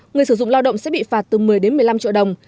người sử dụng lao động sẽ bị phạt từ một mươi một mươi năm triệu đồng